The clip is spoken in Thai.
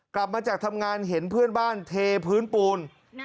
กลับมาจากทำงานเห็นเพื่อนบ้านเทพื้นปูน